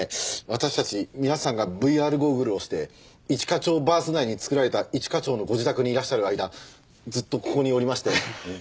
私たち皆さんがＶＲゴーグルをして一課長バース内に作られた一課長のご自宅にいらっしゃる間ずっとここにおりまして。